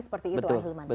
seperti itu ahilman